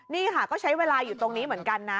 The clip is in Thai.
นี่ค่ะก็ใช้เวลาอยู่ตรงนี้เหมือนกันนะ